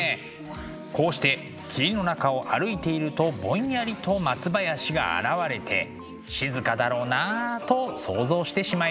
こうして霧の中を歩いているとぼんやりと松林が現れて静かだろうなあと想像してしまいます。